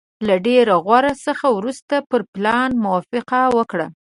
له ډېر غور څخه وروسته پر پلان موافقه وکړه.